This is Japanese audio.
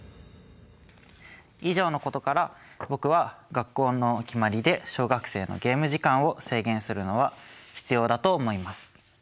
以上のことから僕は学校の決まりで小学生のゲーム時間を制限するのは必要だと思います。